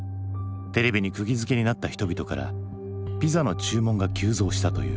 テレビにくぎづけになった人々からピザの注文が急増したという。